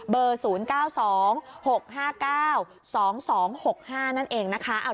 ๐๙๒๖๕๙๒๒๖๕นั่นเองนะคะ